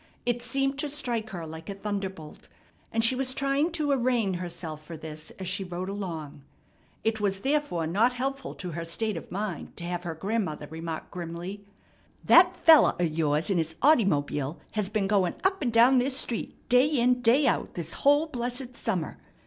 It seemed to strike her like a thunderbolt, and she was trying to arraign herself for this as she rode along. It was therefore not helpful to her state of mind to have her grandmother remark grimly: "That feller o' yours 'n his oughtymobble has been goin' up an' down this street, day in, day out, this whole blessed summer.